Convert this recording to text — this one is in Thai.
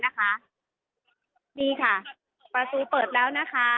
นี่ค่ะประตูเปิดแล้ว